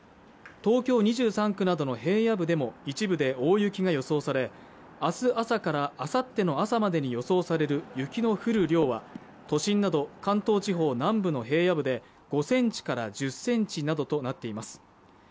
東京２３区などの平野部でも一部で大雪が予想されあす朝からあさっての朝までに予想される雪の降る量は都心など関東地方南部の平野部で５センチから１０センチなどとなっています